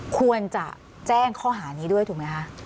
ควรจะแจ้งข้อหานี้ด้วยถูกไหมคะ